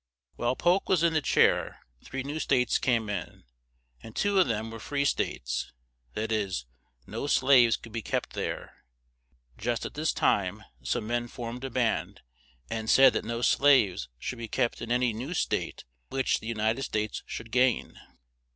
While Polk was in the chair, three new states came in; and two of them were free states; that is, no slaves could be kept there; just at this time some men formed a band, and said that no slaves should be kept in an y new state which the U nit ed States should gain.